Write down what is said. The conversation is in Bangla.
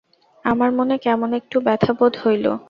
আমার মনে কেমন একটু ব্যথা বোধ হইল।